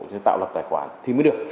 hoặc tài khoản thì mới được